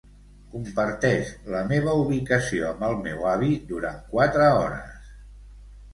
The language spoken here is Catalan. Comparteix la meva ubicació amb el meu avi durant quatre hores.